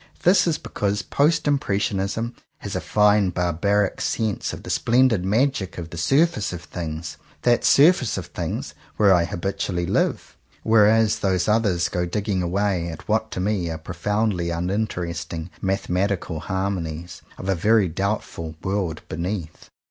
This is because Post Impressionism has a fine barbaric sense of the splendid magic of the surface of things — that surface of things where I habitually live; whereas those others go digging away at what to me are pro foundly uninteresting "Mathematical Har monies" of a very doubtful ''World Be neath."